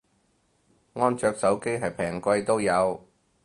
安卓手機係平貴都有